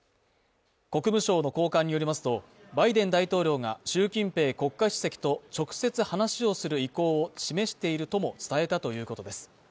国務省の高官によりますと、バイデン大統領が習近平国家主席と直接話をする意向を示しているとも伝えたということです。